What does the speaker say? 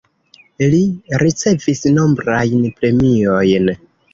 Li ricevis nombrajn premiojn.